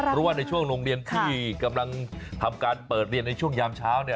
เพราะว่าในช่วงโรงเรียนที่กำลังทำการเปิดเรียนในช่วงยามเช้า